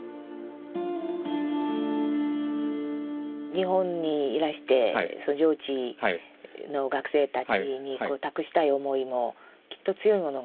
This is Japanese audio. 日本にいらして上智の学生たちにこう託したい思いもきっと強いものが。